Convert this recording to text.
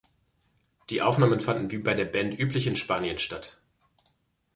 Die Aufnahmen fanden wie bei der Band üblich in Spanien statt.